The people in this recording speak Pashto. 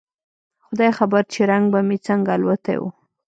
خداى خبر چې رنگ به مې څنګه الوتى و.